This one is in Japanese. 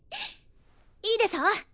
いいでしょ？